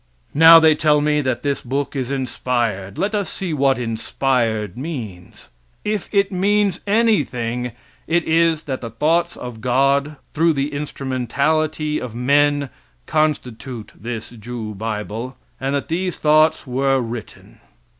Now, they tell me that this book is inspired. Let us see what inspired means. If it means anything, it is that the thoughts of God, through the instrumentality of men, constitute this Jew bible, and that these thoughts were written.